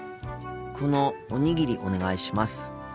このおにぎりお願いします。